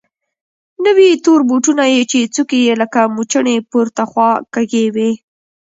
نوي تور بوټونه يې چې څوکې يې لکه موچڼې پورته خوا کږې وې.